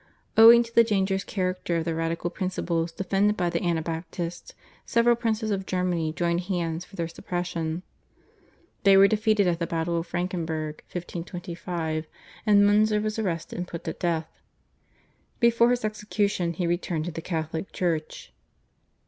Owing to the dangerous character of the radical principles defended by the Anabaptists several princes of Germany joined hands for their suppression. They were defeated at the battle of Frankenberg (1525) and Munzer was arrested and put to death. Before his execution he returned to the Catholic Church.